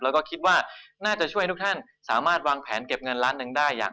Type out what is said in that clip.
แล้วก็คิดว่าน่าจะช่วยทุกท่านสามารถวางแผนเก็บเงินล้านหนึ่งได้อย่าง